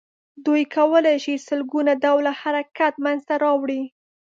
دوی کولای شي سل ګونه ډوله حرکت منځ ته راوړي.